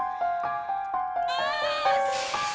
umi aku mau ke rumah